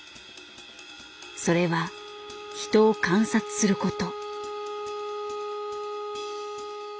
それは人を観察すること。